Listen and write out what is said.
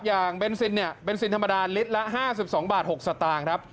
เบนซินเนี่ยเบนซินธรรมดาลิตรละ๕๒บาท๖สตางค์ครับ